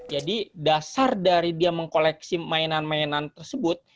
jadi dasar dari dia mengkoleksi mainan mainan tersebut